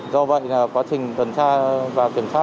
do vậy quá trình tuần tra và kiểm tra